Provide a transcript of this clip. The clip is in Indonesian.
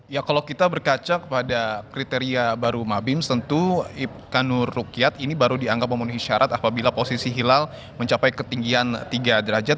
ya kalau kita berkaca kepada kriteria baru mabim tentu kanur rukyat ini baru dianggap memenuhi syarat apabila posisi hilal mencapai ketinggian tiga derajat